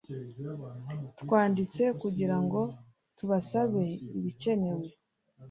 Twanditse kugirango tubasabe ibikenewe